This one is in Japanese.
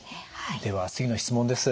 では次の質問です。